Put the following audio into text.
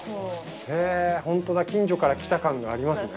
へぇホントだ近所から来た感がありますね。